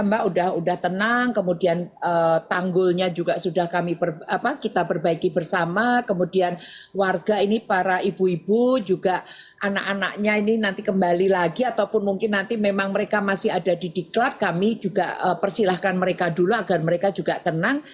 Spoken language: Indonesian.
jadi semuanya sudah tenang kemudian tanggulnya juga sudah kami kita perbaiki bersama kemudian warga ini para ibu ibu juga anak anaknya ini nanti kembali lagi ataupun mungkin nanti memang mereka masih ada di diklat kami juga persilahkan mereka dulu agar mereka juga tenang